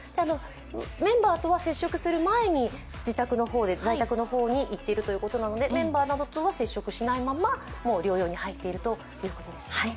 メンバーとは接触する前に自宅、在宅の方に行っているそうでメンバーとは接触しないまま療養に入っているということです。